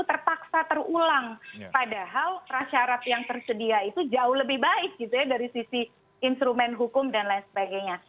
terpaksa terulang padahal prasyarat yang tersedia itu jauh lebih baik gitu ya dari sisi instrumen hukum dan lain sebagainya